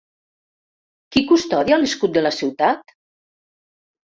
Qui custodia l'escut de la ciutat?